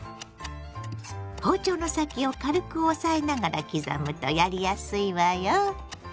包丁の先を軽く押さえながら刻むとやりやすいわよ。